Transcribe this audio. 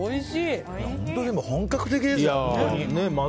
本格的ですね。